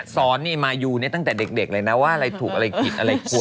สอนนี่มายูเนี่ยตั้งแต่เด็กเลยนะว่าอะไรถูกอะไรผิดอะไรกลัว